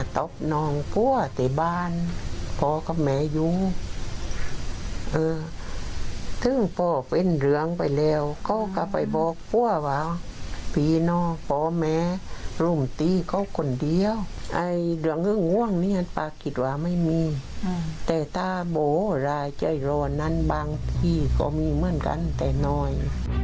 แต่ถ้าโมหร่าใจรวดนั้นบางที่ก็มีเหมือนกันแต่น้อย